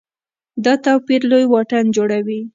دا توپیر لوی واټن جوړوي.